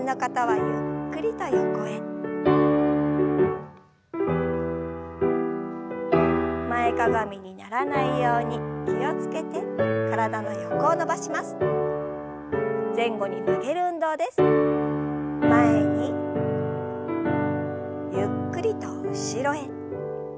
ゆっくりと後ろへ。